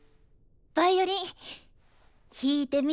ヴァイオリン弾いてみてよ。